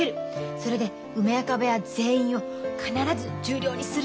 それで梅若部屋全員を必ず十両にするよ。